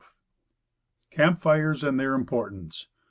CAMP FIRES AND THEIR IMPORTANCE.